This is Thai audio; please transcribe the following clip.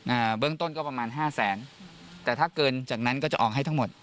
เบื้องต้นก็ประมาณห้าแสนแต่ถ้าเกินจากนั้นก็จะออกให้ทั้งหมด